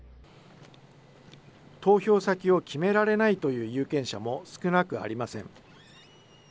投票先を決められないという有権者も少なくありません。